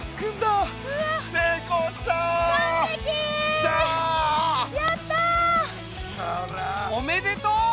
おめでとう！